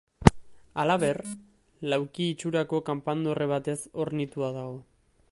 Halaber, lauki itxurako kanpandorre batez hornitua dago.